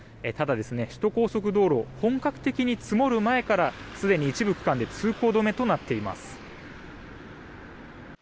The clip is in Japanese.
ただ首都高速道路本格的に積もる前からすでに一部区間で通行止めとなっています。